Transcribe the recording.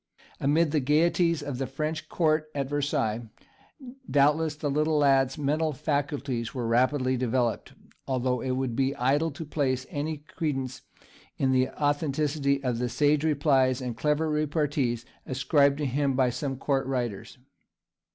Amid the gaieties of the French Court at Versailles doubtless the little lad's mental faculties were rapidly developed, although it would be idle to place any credence in the authenticity of the sage replies and clever repartees ascribed to him by some Court writers.